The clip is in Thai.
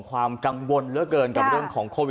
ความกังวลเหลือเกินกับเรื่องของโควิด